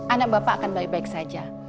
anak bapak akan baik baik saja